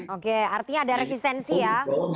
oke artinya ada resistensi ya